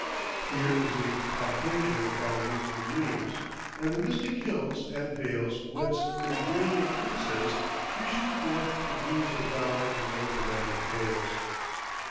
Here is the Caucasia of our youthful dreams, and the mystic hills and vales whence Mingrelian princes issued forth to deeds of valor in old romantic tales.